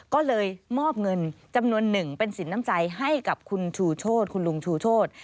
ก็เลยมอบเงินจำนวนหนึ่งเป็นสินน้ำใจให้กับคุณชูโชธคุณลุงชูโชธ